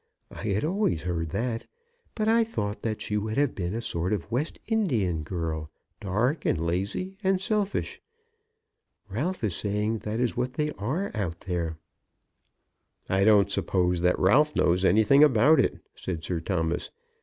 I had always heard that. But I thought that she would have been a sort of West Indian girl, dark, and lazy, and selfish. Ralph was saying that is what they are out there." "I don't suppose that Ralph knows anything about it," said Sir Thomas.